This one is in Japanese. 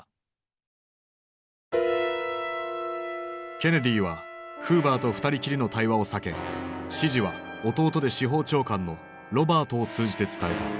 ケネディはフーバーと二人きりの対話を避け指示は弟で司法長官のロバートを通じて伝えた。